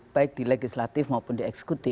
baik di legislatif maupun di eksekutif